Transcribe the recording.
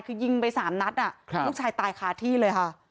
คือยิงไป๓นัดลูกชายตายคาที่เลยค่ะ